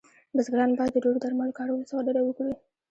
بزګران باید د ډیرو درملو کارولو څخه ډډه وکړی